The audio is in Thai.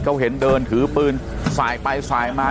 เขาเห็นเดินถือปืนสายไปสายมา